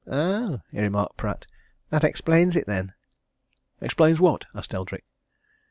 "Ah!" remarked Pratt, "That explains it, then?" "Explains what?" asked Eldrick.